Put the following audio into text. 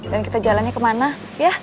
dan kita jalannya kemana ya